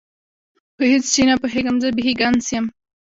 په هیڅ شي نه پوهېږم، زه بیخي ګنګس یم.